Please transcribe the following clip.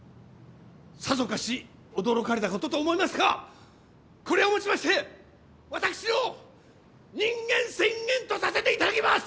さぞかし驚かれたことと思いますがこれをもちましてわたくしの人間宣言とさせて頂きます！